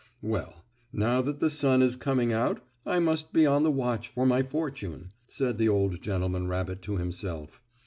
"Well, now that the sun is coming out I must be on the watch for my fortune," said the old gentleman rabbit to himself.